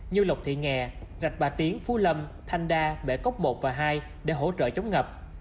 như lộc thị nghè rạch bà tiến phú lâm thanh đa bể cốc một và hai để hỗ trợ chống ngập